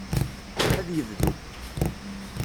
Ad yebdu.